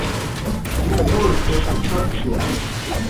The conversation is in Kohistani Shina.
موْ گوݜٹھہ اُڇھتسُس۔